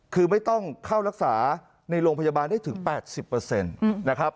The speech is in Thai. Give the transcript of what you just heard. คือไม่ต้องเข้ารักษาในโรงพยาบาลได้ถึง๘๐นะครับ